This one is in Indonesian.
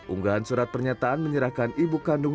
unggahan surat pernyataan menyerahkan ibu kandung